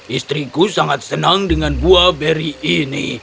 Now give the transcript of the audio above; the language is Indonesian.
istriku sangat senang dengan buah beri ini